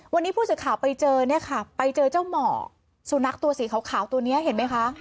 วันนี้ผู้สื่อข่าวไปเจอเนี่ยค่ะไปเจอเจ้าหมอกสุนัขตัวสีขาวตัวนี้เห็นไหมคะ